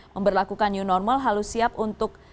memperlakukan new normal harus siap untuk